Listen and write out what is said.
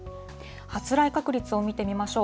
発雷確率を見てみましょう。